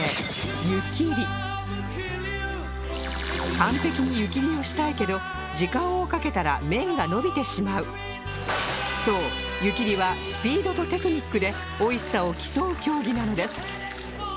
完璧に湯切りをしたいけどそう湯切りはスピードとテクニックで美味しさを競う競技なんです